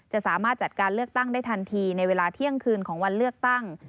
สามารถจัดการเลือกตั้งได้ทันทีในเวลาเที่ยงคืนของวันเลือกตั้ง